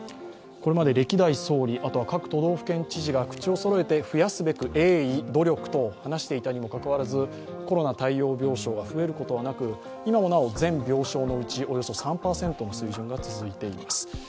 これまで歴代総理、あとは各都道府県知事が増やすべく鋭意努力と話していたにもかかわらず、コロナ対応病床が増えることなく今もなお全病床のうちおよそ３％の水準が続いています。